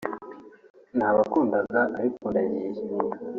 nabakundaga ariko ndagiye